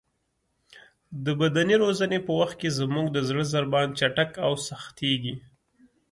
د بدني روزنې په وخت کې زموږ د زړه ضربان چټک او سختېږي.